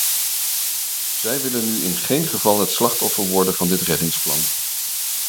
Zij willen nu in geen geval het slachtoffer worden van dit reddingsplan.